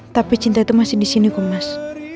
tapi cinta itu masih disini ku mas